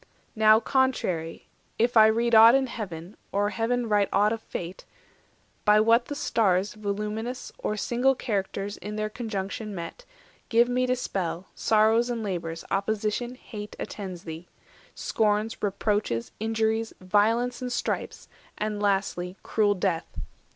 Now, contrary—if I read aught in heaven, Or heaven write aught of fate—by what the stars Voluminous, or single characters In their conjunction met, give me to spell, Sorrows and labours, opposition, hate, Attends thee; scorns, reproaches, injuries, Violence and stripes, and, lastly, cruel death.